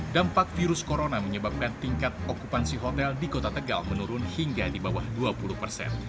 dampak virus corona menyebabkan tingkat okupansi hotel di kota tegal menurun hingga di bawah dua puluh persen